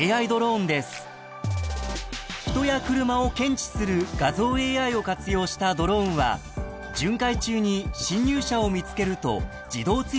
［人や車を検知する画像ＡＩを活用したドローンは巡回中に侵入者を見つけると自動追跡します］